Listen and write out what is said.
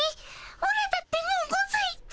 オラだってもう５さいっピ。